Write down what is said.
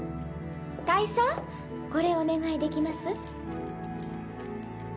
大佐これお願いできます？